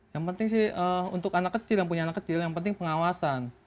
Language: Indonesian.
yang penting sih untuk anak kecil yang punya anak kecil yang penting pengawasan